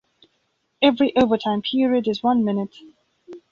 Every overtime period is one minute.